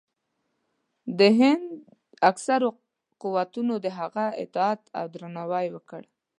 د هند اکثرو قوتونو د هغه اطاعت او درناوی وکړ.